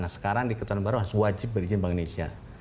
nah sekarang di ketentuan baru harus wajib berizin bank indonesia